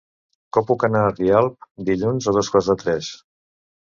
Com puc anar a Rialp dilluns a dos quarts de tres?